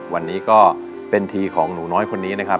วันนี้ก็เป็นทีของหนูน้อยคนนี้นะครับ